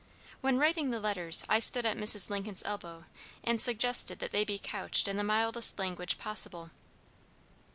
When writing the letters I stood at Mrs. Lincoln's elbow, and suggested that they be couched in the mildest language possible.